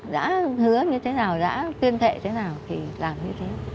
đã hứa như thế nào đã tuyên thệ thế nào thì làm như thế